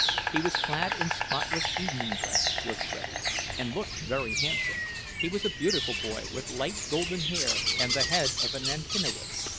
He was clad in spotless evening dress, was Freddie, and looked very handsome—he was a beautiful boy, with light golden hair and the head of an Antinous.